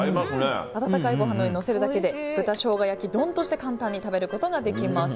温かいご飯の上にのせるだけで豚生姜焼き丼として簡単に食べることができます。